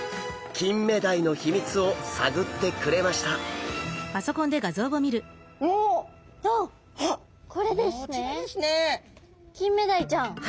キンメダイちゃん。